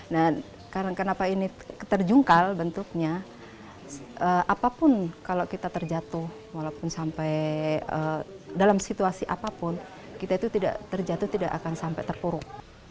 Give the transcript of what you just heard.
nah karena kenapa ini terjungkal bentuknya apapun kalau kita terjatuh walaupun sampai dalam situasi apapun kita itu tidak terjatuh tidak akan sampai terpuruk